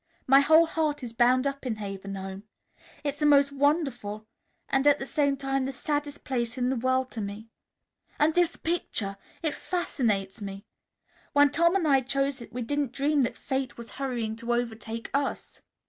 My whole heart is bound up in Haven Home. It's the most wonderful and at the same time the saddest place in the world to me. And this picture! It fascinates me. When Tom and I chose it, we didn't dream that Fate was hurrying to overtake us."